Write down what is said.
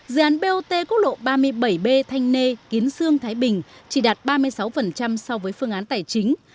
dự án bot quốc lộ ba mươi bảy b thanh nê kiến sương thái bình chỉ đạt ba mươi sáu so với phương án tài chính